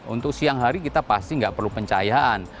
untuk siang hari kita pasti nggak perlu pencahayaan